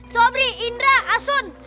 sobri indra asun